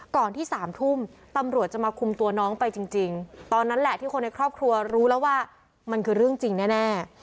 ก่อนที่๓ทุ่มตำรวจจะมาคุมตัวน้องไปจริงตอนนั้นแหละที่คนในครอบครัวรู้แล้วว่ามันคือเรื่องจริงแน่